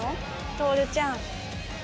透ちゃん。